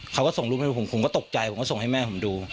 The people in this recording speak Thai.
เขาก็ส่งรูปให้ดูผมผมก็ตกใจผมก็ส่งให้แม่ผมดู